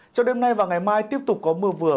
trong đêm nay và ngày mai tiếp tục có mưa vừa